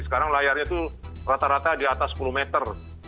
sekarang layarnya itu rata rata di atas sepuluh meter